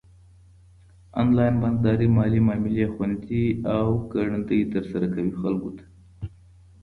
انلاين بانکداري مالي معاملي خوندي او ګړندي ترسره کوي خلکو ته.